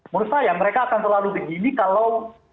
menurut saya mereka akan terlalu begini kalau